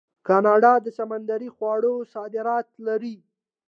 کاناډا د سمندري خوړو صادرات لري.